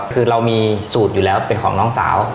คือเรามีสูตรอยู่แล้วเป็นของน้องสาว